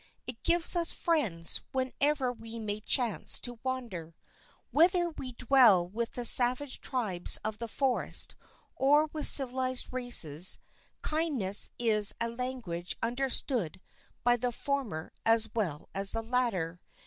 It gives us friends wherever we may chance to wander. Whether we dwell with the savage tribes of the forest or with civilized races, kindness is a language understood by the former as well as the latter.